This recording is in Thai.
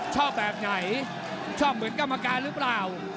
ชอบแบบไหนชอบเหมือนกรรมการหรือเปล่า